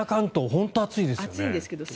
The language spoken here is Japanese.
本当に暑いですよね。